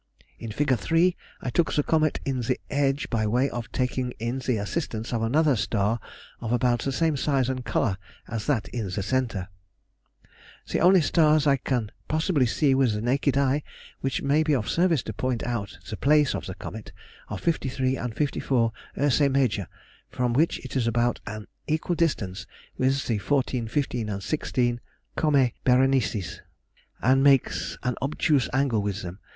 In Fig. 3 I took the comet in the edge by way of taking in the assistance of another star of about the same size and colour as that in the centre. The only stars I can possibly see with the naked eye which might be of service to point out the place of the comet are 53 and 54 Ursæ Maj., from which it is at about an equal distance with the 14, 15, and 16 Comæ Ber., and makes an obtuse angle with them.